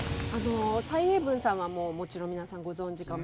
蔡英文さんはもうもちろん皆さんご存じ。